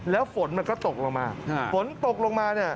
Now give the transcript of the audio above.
แล้วฝนมันก็ตกลงมาฝนตกลงมาเนี่ย